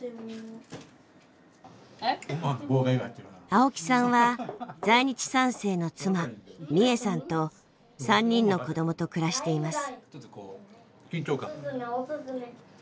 青木さんは在日三世の妻ミエさんと３人の子どもと暮らしています。